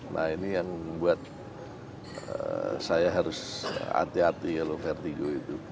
nah ini yang membuat saya harus hati hati kalau vertigo itu